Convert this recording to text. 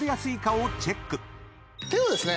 手をですね